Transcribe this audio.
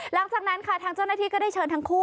หลังจากนั้นค่ะทางเจ้าหน้าที่ก็ได้เชิญทั้งคู่